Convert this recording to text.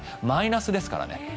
マイナスですからね。